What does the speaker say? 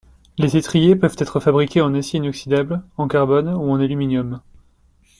Les étriers peuvent être fabriqués en acier inoxydable, en carbone ou en aluminium.